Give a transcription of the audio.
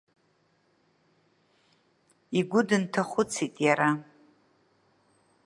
Игәы дынҭахәыцит иара.